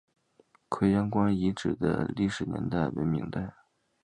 葵阳关遗址的历史年代为明代。